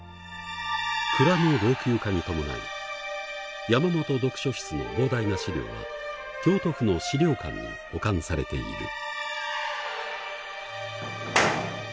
蔵の老朽化に伴い山本読書室の膨大な資料は京都府の資料館に保管されている。